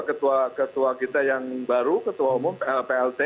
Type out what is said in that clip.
ada juga ketua kita yang baru ketua umum plt